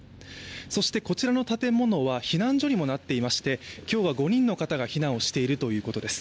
そしてこちらの建物は避難所にもなっていまして今日は５人の方が避難をしているということです。